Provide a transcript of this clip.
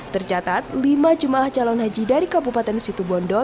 tercatat lima jemaah calon haji dari kabupaten situbondo